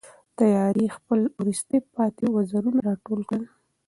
تیارې خپل وروستي پاتې وزرونه را ټول کړل.